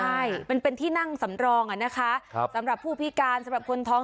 ใช่มันเป็นที่นั่งสำรองอ่ะนะคะครับสำหรับผู้พิการสำหรับคนท้อง